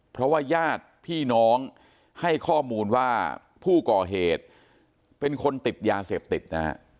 เพราะว่าญาติพี่น้องให้ข้อมูลว่าผู้ก่อเหตุเป็นคนติดยาเสพติดนะฮะ